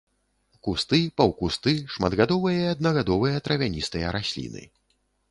Кусты, паўкусты, шматгадовыя і аднагадовыя травяністыя расліны.